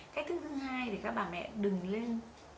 cách thứ thứ hai thì các bà mẹ đừng lên